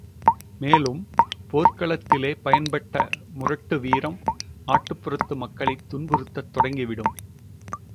மேலும், போர்க்களத்திலே பயன்பட்ட முரட்டு வீரம், நாட்டுப்புறத்து மக்களைத் துன்புறுத்தத் தொடங்கிவிடும்.